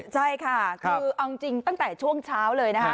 ใช่ค่ะคือเอาจริงตั้งแต่ช่วงเช้าเลยนะคะ